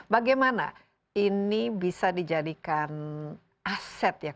bagaimana ini bisa dijadikan aset ya